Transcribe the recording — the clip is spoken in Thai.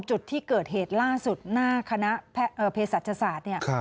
จุดที่เกิดเหตุล่าสุดหน้าคณะเพศศาสตร์เนี่ย